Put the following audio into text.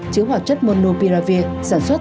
chứa hoạt chất monopiravir sản xuất